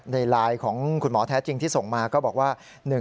ในไลน์ของคุณหมอแท้จริงที่ส่งมาก็บอกว่า